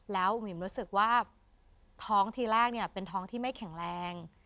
แล้วหิมรู้สึกว่าท้องทีแรกเนี่ยเป็นท้องที่ไม่แข็งแรง